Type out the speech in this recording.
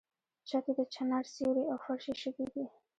چت یې د چنار سیوری او فرش یې شګې دي.